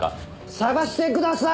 探してください！